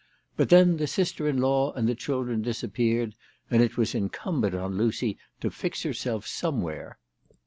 But then the sister in law and the children disappeared, and it was incumbent on Lucy to fix herself some where.